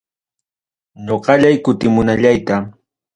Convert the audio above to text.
Ñoqallay kutimunallayta.